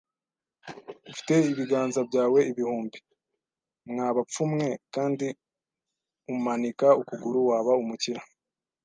“Ufite ibiganza byawe ibihumbi, mwa bapfu mwe, kandi umanika ukuguru! Waba umukire